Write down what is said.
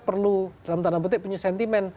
perlu dalam tanah betik punya sentimen